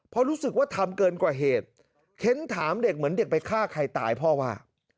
เพราะรู้สึกว่าทำเกินกว่าเหตุเค้นถามเด็กเหมือนเด็กไปฆ่าใครตายพ่อว่า